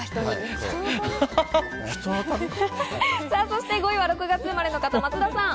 そして５位は６月生まれの方、松田さん。